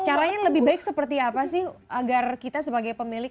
caranya lebih baik seperti apa sih agar kita sebagai pemilik